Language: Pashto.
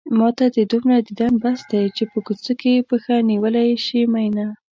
ماته دې دومره ديدن بس دی چې په کوڅه کې پښه نيولی شې مينه